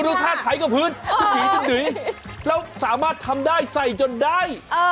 กระดูกท่าไขกระพื้นสีจะหนื้อแล้วสามารถทำได้ใส่จนได้